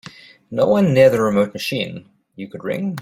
No one near the remote machine you could ring?